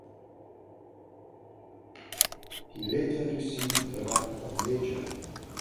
He later received the rank of major.